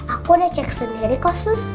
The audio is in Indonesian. aku udah cek sendiri kok sus